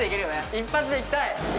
一発でいきたい！